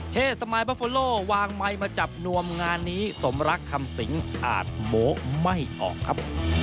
เชษสมายบาโฟโลวางไมค์มาจับนวมงานนี้สมรักคำสิงอาจโม้ไม่ออกครับ